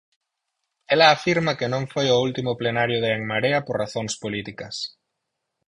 Ela afirma que non foi ao último plenario de En Marea por razóns políticas.